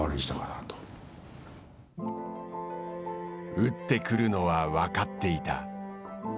打ってくるのは分かっていた。